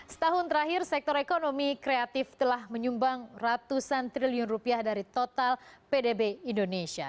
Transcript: setahun terakhir sektor ekonomi kreatif telah menyumbang ratusan triliun rupiah dari total pdb indonesia